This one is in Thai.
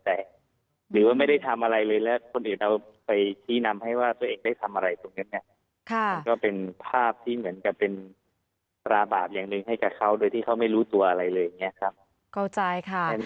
แต่หรือว่าไม่ได้ทำอะไรเลยแล้วคนอื่นเอาไปคีย์นำให้ว่าตัวเองได้ทำอะไรตรงนี้เนี่ย